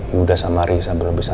yudha sama risa belum bisa